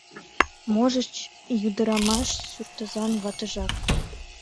Можыч, ӱдырамаш, суртозан ватыжак.